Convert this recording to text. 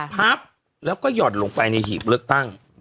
พับแล้วก็หย่อนลงไปในหีบเลือกตั้ง